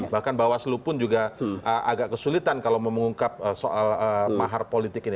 bahkan bawaslu pun juga agak kesulitan kalau mau mengungkap soal mahar politik ini